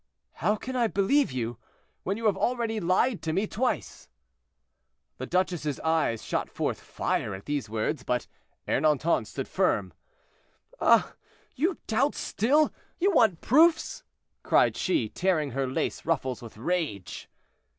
"How can I believe you, when you have already lied to me twice?" The duchess's eyes shot forth fire at these words, but Ernanton stood firm. "Ah! you doubt still—you want proofs!" cried she, tearing her lace ruffles with rage.